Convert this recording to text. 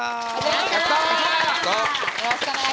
よろしくお願いします。